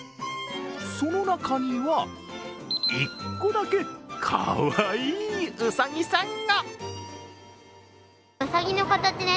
その中には、１個だけかわいいうさぎさんが。